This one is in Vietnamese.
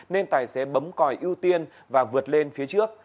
nên tài xế bấm còi ưu tiên và vượt lên phía trước